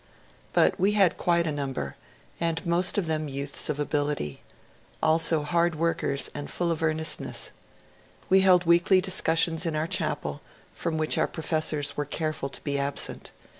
But we had quite a number, and most of them youths of ability, also hard workers and full of eamestpess. We held weekly discussions in our chapel, from which our professors were careful to be absent.